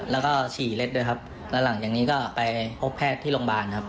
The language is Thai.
แล้วก็ฉี่เล็ดด้วยครับแล้วหลังจากนี้ก็ไปพบแพทย์ที่โรงพยาบาลครับ